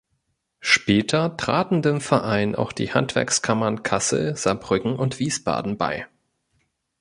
Später traten dem Verein auch die Handwerkskammern Kassel, Saarbrücken und Wiesbaden bei.